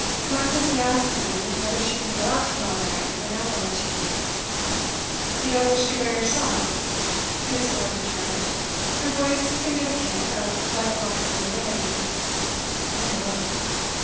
'Martha has been asking me whether she can go out to morrow night for an hour or two.' 'You don't wish to go yourself?' Miss. Lord returned, her voice significant of life long familiarity. 'Oh no!